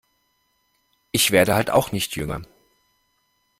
Ich werd halt auch nicht jünger.